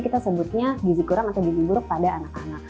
kita sebutnya gizi kurang atau gizi buruk pada anak anak